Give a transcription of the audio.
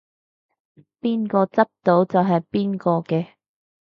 邊個執到就係邊個嘅